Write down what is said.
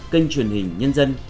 kênh truyền hình nhân dân